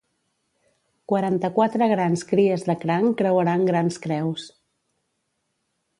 Quaranta-quatre grans cries de cranc creuaran grans creus.